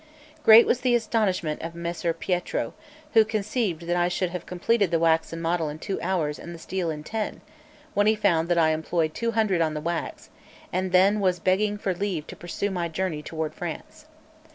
Great was the astonishment of Messer Pietro, who conceived that I should have completed the waxen model in two hours and the steel in ten, when he found that I employed two hundred on the wax, and then was begging for leave to pursue my journey toward France.